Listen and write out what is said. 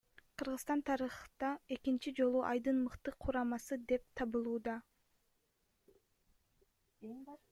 Кыргызстан тарыхта экинчи жолу айдын мыкты курамасы деп табылууда.